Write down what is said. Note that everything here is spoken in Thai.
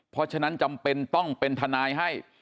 เพราะฉะนั้นจำเป็นต้องเป็นทนายให้